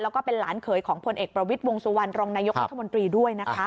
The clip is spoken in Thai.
แล้วก็เป็นหลานเขยของพลเอกประวิทย์วงสุวรรณรองนายกรัฐมนตรีด้วยนะคะ